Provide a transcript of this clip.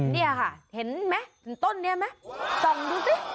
เนี่ยค่ะเห็นไหมถึงต้นนี้มั้ย